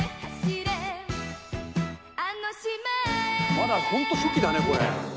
まだ本当初期だねこれ。